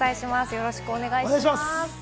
よろしくお願いします。